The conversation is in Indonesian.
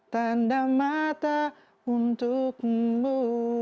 tanda mata untukmu